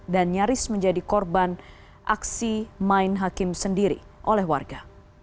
dan nyaris menjadi korban aksi main hakim sendiri oleh warga